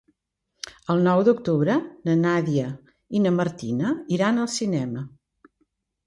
El nou d'octubre na Nàdia i na Martina iran al cinema.